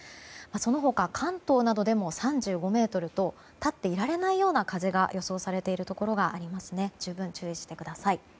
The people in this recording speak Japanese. その他関東などでも３５メートルと立っていられないような風が予想されているところがありますので十分、注意してください。